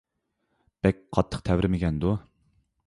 بەك قاتتىق تەۋرىمىگەندۇ؟